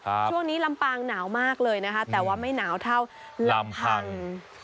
ช่วงนี้ลำปางหนาวมากเลยนะคะแต่ว่าไม่หนาวเท่าลำพัง